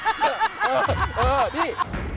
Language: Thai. เออนี่